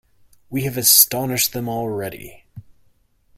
We have astonished them already.